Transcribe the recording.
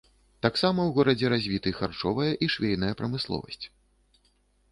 Таксама ў горадзе развіты харчовая і швейная прамысловасць.